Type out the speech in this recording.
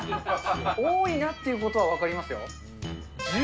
多いなってことは分かりますよ。